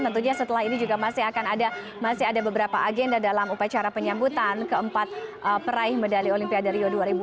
tentunya setelah ini juga masih ada beberapa agenda dalam upacara penyambutan keempat peraih medali olimpiade rio dua ribu dua puluh